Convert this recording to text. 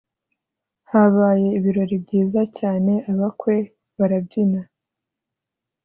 Habaye ibirori byiza cyane abakwe barabyina